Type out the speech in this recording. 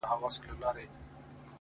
گراني په دې ياغي سيتار راته خبري کوه؛